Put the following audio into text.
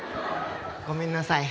ごめんなさい。